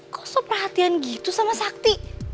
kok sop perhatian gitu sama sakti